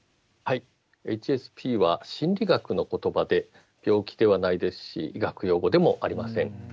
ＨＳＰは心理学の言葉で病気ではないですし医学用語でもありません。